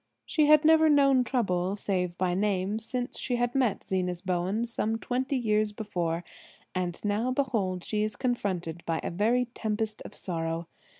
She had never known trouble, save by name, since she met Zenas Bowen some twenty years before; and now behold, she is confronted by a very tempest of sorrow.